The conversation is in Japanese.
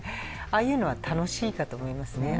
ああいうのは楽しいかと思います。